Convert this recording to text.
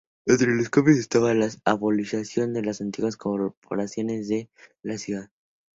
Entre los cambios estaban la abolición de las antiguas corporaciones de la ciudad.